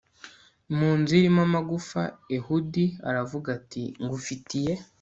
mu nzu irimo amafu ehudi aravuga ati ngufitiye